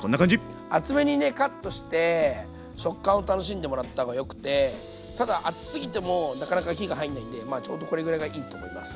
厚めにねカットして食感を楽しんでもらったほうがよくてただ厚すぎてもなかなか火が入んないんでちょうどこれぐらいがいいと思います。